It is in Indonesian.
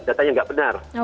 datanya nggak benar